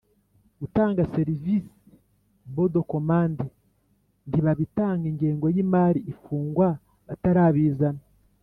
Gutanga serivise bon de commande ntibabitanga ingengo y imari ifungwa batarabizana